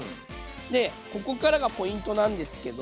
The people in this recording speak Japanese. でここからがポイントなんですけど。